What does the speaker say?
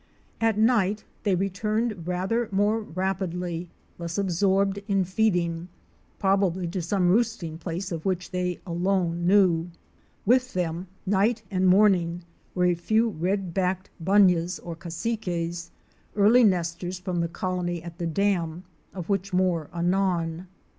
At night they returned rather more rapidly — less absorbed in feeding — probably to some roosting place of which they alone knew. With them, night and morning, were a few *™ early nesters from the Red backed Bunyahs or Cassiques, colony at the dam, of which more anon.